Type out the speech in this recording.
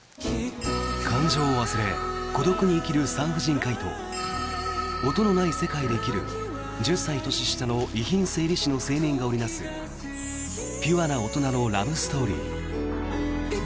感情を忘れ、孤独に生きる産婦人科医と音のない世界で生きる１０歳年下の遺品整理士の青年が織りなすピュアな大人のラブストーリー。